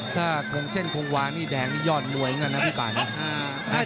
ถ้าคงเช่นคงวางนี่แดงนี่ยอดมวยนะครับพี่ก่อน